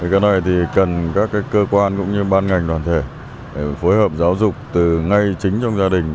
cái này thì cần các cơ quan cũng như ban ngành đoàn thể phối hợp giáo dục từ ngay chính trong gia đình